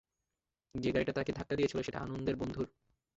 যে গাড়িটা তাকে ধাক্কা দিয়েছিল সেটা আনন্দের বন্ধুর।